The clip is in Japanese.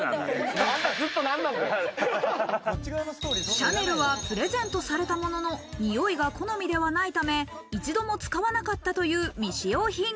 シャネルはプレゼントされたものの匂いが好みではないため、一度も使わなかったという未使用品。